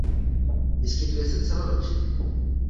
Vyskytuje se celoročně.